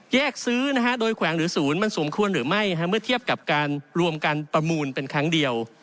ซื้อโดยแขวงหรือศูนย์มันสมควรหรือไม่เมื่อเทียบกับการรวมการประมูลเป็นครั้งเดียว